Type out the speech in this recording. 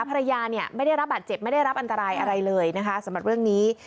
ภรรยาเนี่ยไม่ได้รับบาดเจ็บไม่ได้รับอันตรายอะไรเลยนะคะสำหรับเรื่องนี้